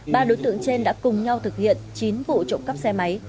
ba đối tượng trên đã cùng nhau thực hiện chín vụ trộm cắp xe máy